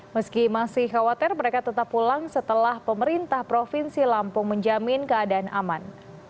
meski masih khawatir mereka tetap pulang setelah pemerintah provinsi lampung menjamin keadaan aman